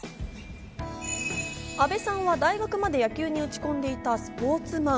阿部さんは大学まで野球に打ち込んでいたスポーツマン。